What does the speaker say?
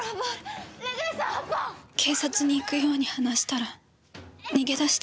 警察に行くように話したら逃げ出して。